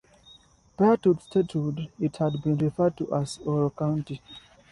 Prior to statehood, it had been referred to as Oro County.